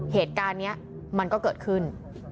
เหตุการณ์นี้มันก็เกิดขึ้น